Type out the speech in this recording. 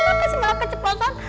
kenapa sih malah keceplosan